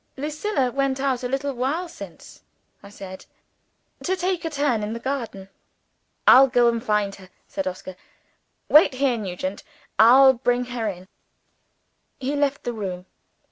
"Lucilla went out a little while since," I said, "to take a turn in the garden." "I'll go and find her," said Oscar. "Wait here, Nugent. I'll bring her in." He left the room.